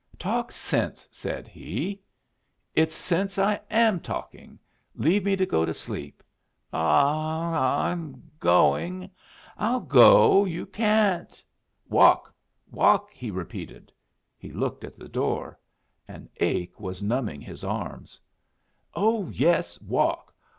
"Talk sense," said he. "It's sense I'm talking. Leave me go to sleep. Ah, ah, I'm going! I'll go; you can't " "Walk, walk!" he repeated. He looked at the door. An ache was numbing his arms. "Oh yes, walk!